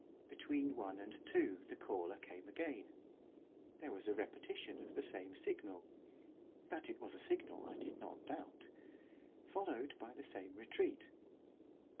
Between one and two the caller came again; there was a repetition of the same signal, that it was a signal I did not doubt; followed by the same retreat.